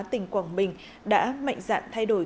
tỉnh quảng bình đã mạnh dạn thay đổi